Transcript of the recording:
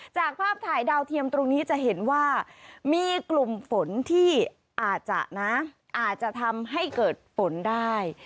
จากภาพถ่ายดาวเทียมตรงนี้จะเห็นว่ามีกลุ่มฝนที่อาจจะนะอาจจะทำให้เกิดฝนได้